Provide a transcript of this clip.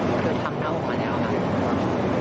คือทำหน้าอกมาแล้วค่ะ